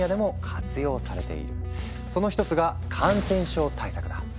その一つが感染症対策だ。